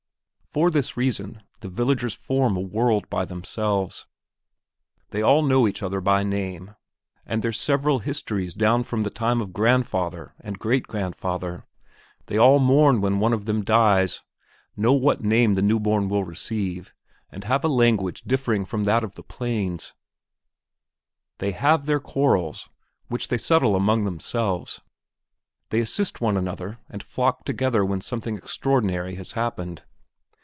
For this reason the villagers form a world by themselves. They all know each other by name and their several histories down from the time of grandfather and great grandfather; they all mourn when one of them dies; know what name the new born will receive; they have a language differing from that of the plains; they have their quarrels, which they settle among themselves; they assist one another and flock together when something extraordinary has happened.